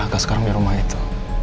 agak sekarang di rumah itu